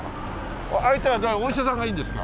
相手はお医者さんがいいんですか？